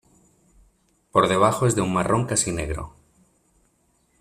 Por debajo es de un marrón casi negro.